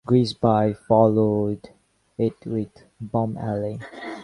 Grigsby followed it with "Bomb Alley".